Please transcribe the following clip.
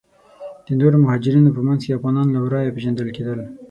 د نورو مهاجرینو په منځ کې افغانان له ورایه پیژندل کیدل.